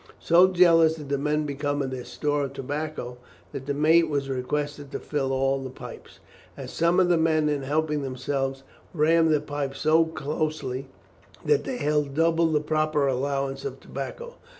So jealous did the men become of their store of tobacco that the mate was requested to fill all the pipes, as some of the men in helping themselves rammed their pipes so closely that they held double the proper allowance of tobacco.